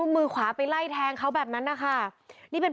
มือขวาไปไล่แทงเขาแบบนั้นนะคะนี่เป็นภารกิจวันที่ตอนนี้